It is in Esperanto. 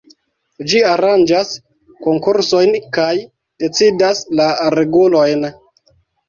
Ĝi aranĝas konkursojn kaj decidas la regulojn.